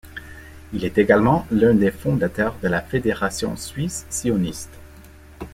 Il est également l’un des fondateurs de la Fédération suisse sioniste.